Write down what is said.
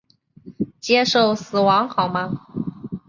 接受死亡好吗？